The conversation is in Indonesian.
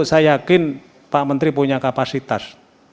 saya yakin pak menteri punya kapasitas